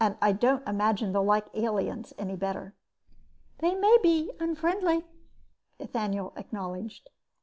I don't imagine they'll like aliens any better." "They may be unfriendly," Ethaniel acknowledged.